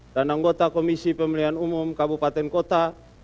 anggota komisi pemilihan umum kabupaten kota